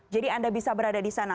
jadi anda bisa berada di sana